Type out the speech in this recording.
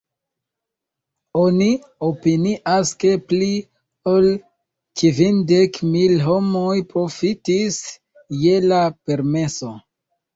Oni opinias ke, pli ol kvindek mil homoj profitis je la permeso.